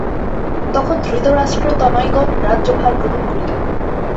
তখন ধৃতরাষ্ট্রতনয়গণ রাজ্যভার গ্রহণ করিলেন।